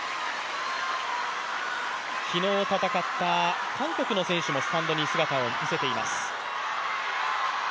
昨日戦った韓国の選手もスタンドに姿を見せています。